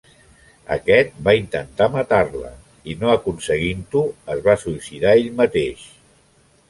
Aquest, va intentar matar-la, i no aconseguint-ho es va suïcidar ell mateix.